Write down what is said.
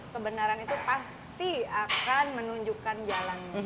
kebenaran itu pasti akan menunjukkan jalannya